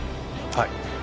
はい。